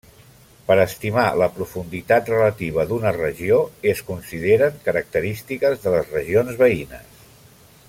Per estimar la profunditat relativa d’una regió es consideren característiques de les regions veïnes.